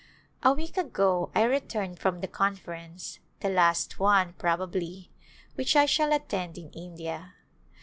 A week ago I returned from the Conference, the last one, probably, which I shall attend in India.